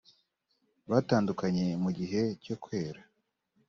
batandukanye mu gihe cyo kwera